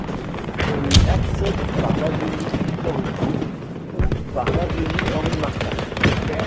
On y accède par l'avenue Victor-Hugo ou par l'avenue Henri-Martin.